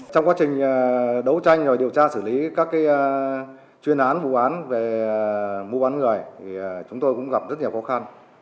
trong quá trình đấu tranh điều tra xử lý các chuyên án vụ án về mua bán người thì chúng tôi cũng gặp rất nhiều khó khăn